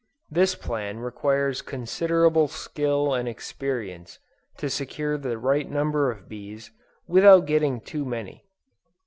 This plan requires considerable skill and experience, to secure the right number of bees, without getting too many.